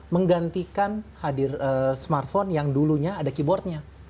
menggantikan hadir smartphone yang dulunya ada keyboardnya